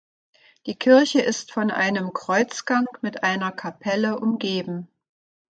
Die Kirche ist von einem Kreuzgang mit einer Kapelle umgeben.